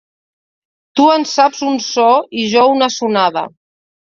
Tu en saps un so i jo una sonada.